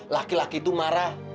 laki laki itu marah